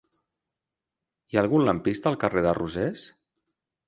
Hi ha algun lampista al carrer de Rosés?